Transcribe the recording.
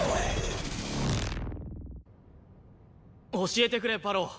教えてくれ馬狼。